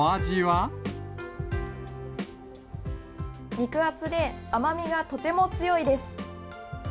肉厚で甘みがとても強いです。